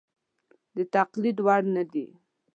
د تقلید وړ نه دي.